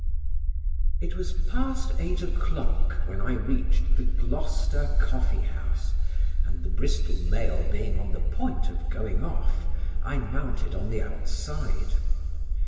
It was past eight o'clock when I reached the Gloucester Coffee house, and the Bristol mail being on the point of going off, I mounted on the outside.